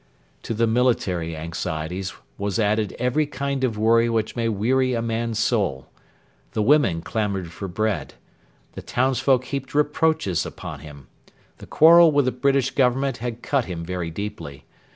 To the military anxieties was added every kind of worry which may weary a man's soul. The women clamoured for bread. The townsfolk heaped reproaches upon him. The quarrel with the British Government had cut him very deeply.